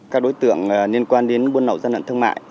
các đối tượng liên quan đến buôn lậu gian lận thương mại